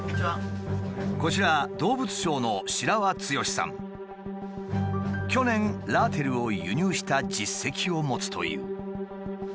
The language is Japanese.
こちら去年ラーテルを輸入した実績を持つという。